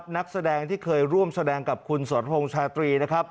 นักแสดงที่เกยร่วมแสดงกับคุณสมพงธ์ชาตรี